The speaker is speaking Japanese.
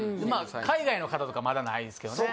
海外の方とかまだないですけどね